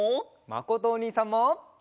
まことおにいさんも！